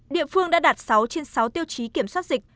địa phương đã đạt sáu trên sáu tiêu chí kiểm soát dịch